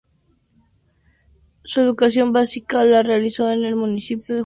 Su educación básica la realizó en el municipio de Juárez.